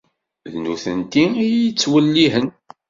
D nutenti i iyi-ittwellihen.